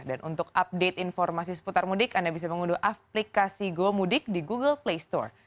dan untuk update informasi seputar mudik anda bisa mengunduh aplikasi gomudik di google play store